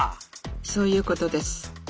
そういうことです。